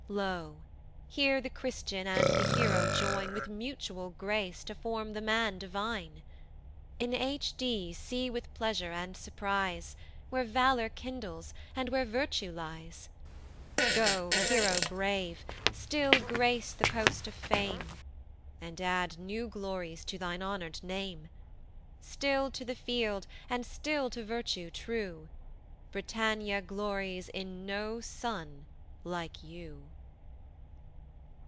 Lo! here the christian and the hero join With mutual grace to form the man divine. In H D see with pleasure and surprise, Where valour kindles, and where virtue lies: Go, hero brave, still grace the post of fame, And add new glories to thine honour'd name, Still to the field, and still to virtue true: Britannia glories in no son like you.